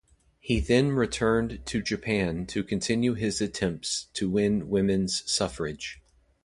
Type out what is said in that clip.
He then returned to Japan to continue his attempts to win women's suffrage.